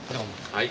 はい。